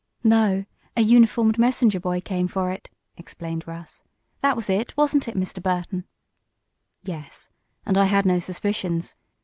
"No, a uniformed messenger boy came for it," explained Russ. "That was it; wasn't it, Mr. Burton?" "Yes. And I had no suspicions.